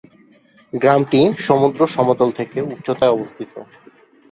গ্রামটি সমুদ্র সমতল থেকে উচ্চতায় অবস্থিত।